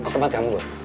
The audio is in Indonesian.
kau temen kamu belum